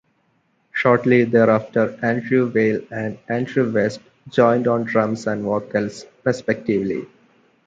Shortly thereafter Andrew Whale and Alan West joined on drums and vocals respectively.